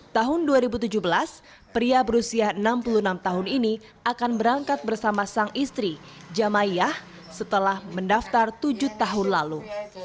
tahun dua ribu tujuh belas pria berusia enam puluh enam tahun ini akan berangkat bersama sang istri jamayah setelah mendaftar tujuh tahun lalu